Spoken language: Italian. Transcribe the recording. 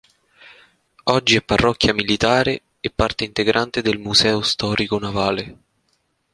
Oggi è parrocchia militare, e parte integrante del Museo storico navale.